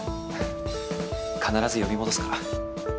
必ず呼び戻すから。